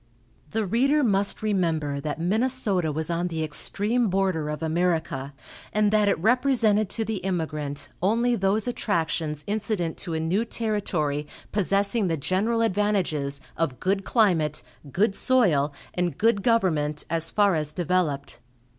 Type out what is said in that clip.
The reader must remember that Minnesota was on the extreme border of America, and that it represented to the immigrant only those attractions incident to a new territory possessing the general advantages of good climate, good soil and good government as far as developed.